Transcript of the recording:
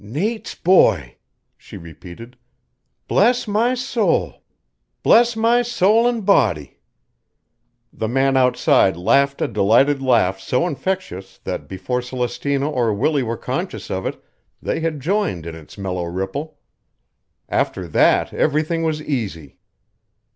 "Nate's boy!" she repeated. "Bless my soul! Bless my soul an' body!" The man outside laughed a delighted laugh so infectious that before Celestina or Willie were conscious of it they had joined in its mellow ripple. After that everything was easy.